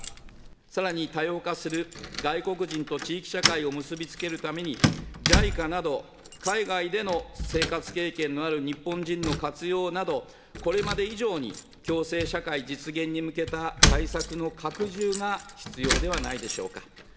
さらに多様化する外国人と地域社会を結び付けるために、ＪＩＣＡなど、海外での生活経験のある日本人の活用など、これまで以上に共生社会実現に向けた対策の拡充が必要ではないでしょうか。